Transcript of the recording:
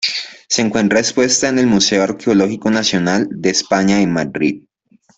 Se encuentra expuesta en el Museo Arqueológico Nacional de España, en Madrid.